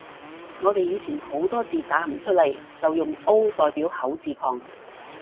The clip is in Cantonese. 我哋以前好多字打唔出來，就用 O 代表口字旁